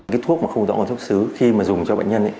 cái thuốc không rõ nguồn gốc xuất xứ khi mà dùng cho bệnh nhân